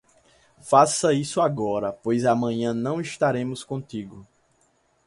Faça isso agora, pois amanhã não estaremos contigo.